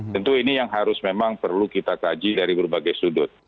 tentu ini yang harus memang perlu kita kaji dari berbagai sudut